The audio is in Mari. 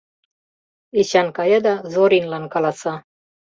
Эчан кая да Зоринлан каласа...